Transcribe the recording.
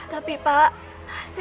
tapi pak saya sudah bicara